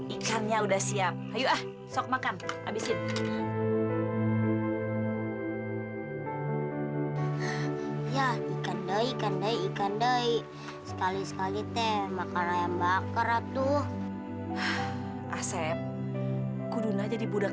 itu pasti tak ada dari si ujang